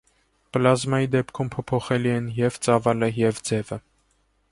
Պլազմայի դեպքում փոփոխելի են և՛ ծավալը, և՛ ձևը։